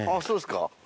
そうですか。